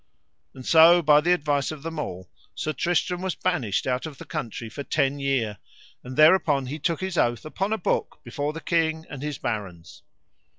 And so by the advice of them all Sir Tristram was banished out of the country for ten year, and thereupon he took his oath upon a book before the king and his barons.